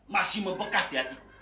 masih mebekas di hatiku